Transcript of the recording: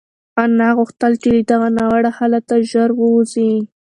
انا غوښتل چې له دغه ناوړه حالته ژر ووځي.